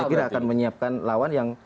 saya kira akan menyiapkan lawan yang